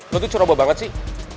lo tuh ceroboh banget sih